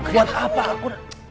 buat apa aku